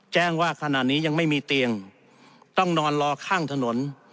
แจ้งว่าขณะนี้ยังไม่มีเตียงต้องนอนรอข้างถนน